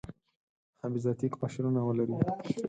محافظتي قشرونه ولري.